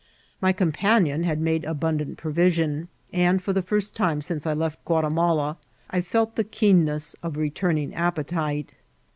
My companion had made abundant provision, and for the first time since I left Ouatimala I felt the keen ness of returning appetite.